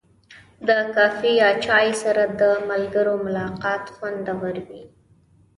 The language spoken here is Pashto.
د کافي یا چای سره د ملګرو ملاقات خوندور وي.